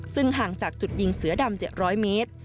ซึ่งห่างจากจุดยิงเสือดำ๗๐๐เมตร